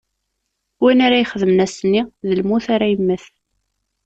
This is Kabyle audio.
Win ara ixedmen ass-nni, d lmut ara yemmet.